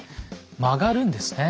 曲がるんですね。